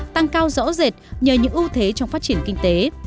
tăng cao rõ rệt nhờ những ưu thế trong phát triển kinh tế